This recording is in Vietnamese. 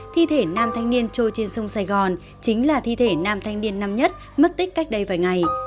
thi thể nam thanh niên trôi trên sông sài gòn chính là thi thể nam thanh niên năm nhất mất tích cách đây vài ngày